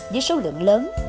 với số lượng lớn